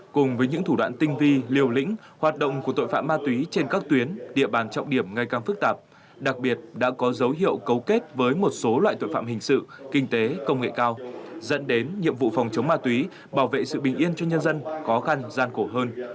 cùng với những thủ đoạn tinh vi liều lĩnh hoạt động của tội phạm ma túy trên các tuyến địa bàn trọng điểm ngày càng phức tạp đặc biệt đã có dấu hiệu cấu kết với một số loại tội phạm hình sự kinh tế công nghệ cao dẫn đến nhiệm vụ phòng chống ma túy bảo vệ sự bình yên cho nhân dân khó khăn gian khổ hơn